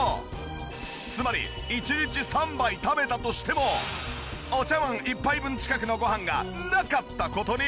つまり１日３杯食べたとしてもお茶わん１杯分近くのごはんがなかった事に！